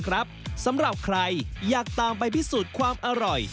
สำหรับใครอยากตามไปพิสูจน์ความอร่อย